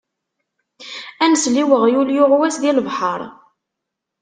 Ar nsel i uɣyul yuɣwas di lebḥeṛ.